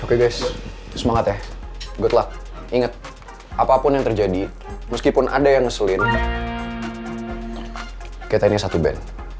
oke guys semangat ya good luck inget apapun yang terjadi meskipun ada yang ngeselin kita ini satu band